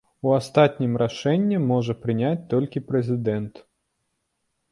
У астатнім рашэнне можа прыняць толькі прэзідэнт.